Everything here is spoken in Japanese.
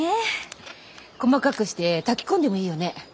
細かくして炊き込んでもいいよね？